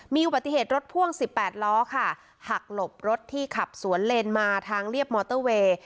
มีอุบัติเหตุรถพ่วง๑๘ล้อค่ะหักหลบรถที่ขับสวนเลนมาทางเรียบมอเตอร์เวย์